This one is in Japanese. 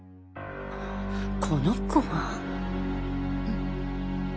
この子が！？